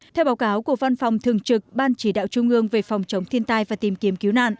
theo báo cáo của văn phòng thường trực ban chỉ đạo trung ương về phòng chống thiên tai và tìm kiếm cứu nạn